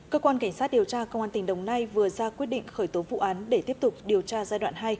cơ quan cảnh sát điều tra công an tỉnh đồng nai vừa ra quyết định khởi tố vụ án để tiếp tục điều tra giai đoạn hai